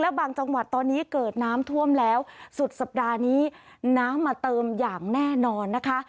บางจังหวัดตอนนี้เกิดน้ำท่วมแล้วสุดสัปดาห์นี้น้ำมาเติมอย่างแน่นอนนะคะ